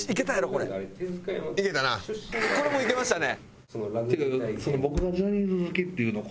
これもういけましたね。